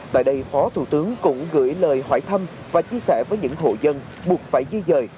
tại đây phó thủ tướng cũng gửi lời hỏi thăm và chia sẻ với những hộ dân buộc phải di dời